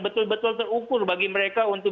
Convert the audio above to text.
betul betul terukur bagi mereka untuk